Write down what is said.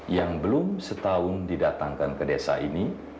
yang belum setahun didatangkan ke desa ini